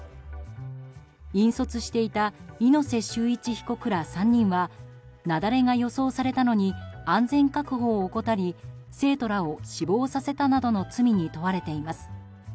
引率していた猪瀬修一被告ら３人は雪崩が予想されたのに安全確保を怠り生徒らを死亡させたなどの罪に問われています。